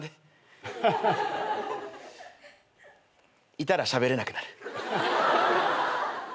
いたらしゃべれなくなる。